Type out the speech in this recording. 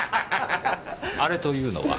「あれ」というのは？